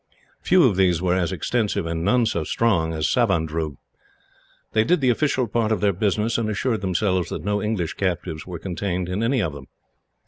Few of these were as extensive, and none so strong, as Savandroog. They did the official part of their business, and assured themselves that no English captives were contained in any of them.